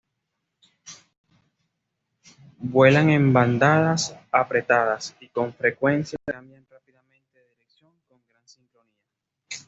Vuelan en bandadas apretadas y con frecuencia cambian rápidamente de dirección con gran sincronía.